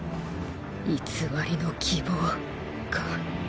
偽りの希望か。